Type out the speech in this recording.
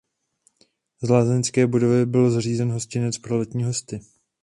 Z lázeňské budovy byl zřízen hostinec pro letní hosty.